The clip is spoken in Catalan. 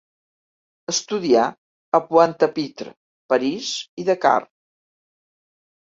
Estudià a Pointe-à-Pitre, París i Dakar.